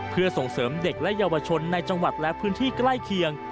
เพื่อส่งเสริมเด็กและเยาวชนในจังหวัดและพื้นที่ใกล้เคียง